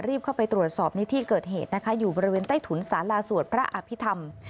เข้าไปตรวจสอบในที่เกิดเหตุนะคะอยู่บริเวณใต้ถุนสาลาสวดพระอภิษฐรรม